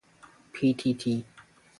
批踢踢